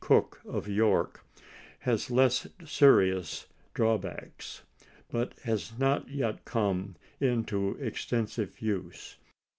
Cooke of York, has less serious drawbacks, but has not yet come into extensive use.